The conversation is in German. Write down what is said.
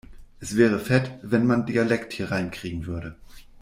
Es wäre fett, wenn man Dialekt hier reinkriegen würde.